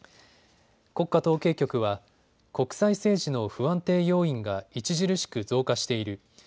国家統計局は国際政治の不安定要因が著しく増加している。